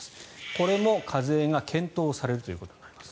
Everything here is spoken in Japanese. これも課税が検討されるということです。